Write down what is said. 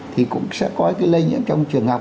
thì cũng sẽ có cái lây nhiễm trong trường học